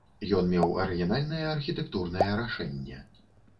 Ён меў арыгінальнае архітэктурнае рашэнне.